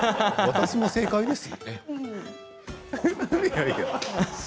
私も正解です。